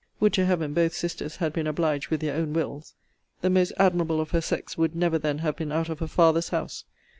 Would to Heaven both sisters had been obliged with their own wills! the most admirable of her sex would never then have been out of her father's house!